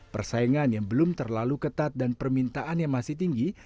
persaingan yang belum terlalu ketat dan permintaan yang masih tinggi